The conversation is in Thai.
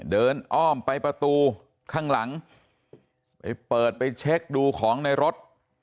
อ้อมไปประตูข้างหลังไปเปิดไปเช็คดูของในรถ